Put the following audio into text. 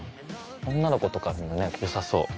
女の子とかにもね良さそう。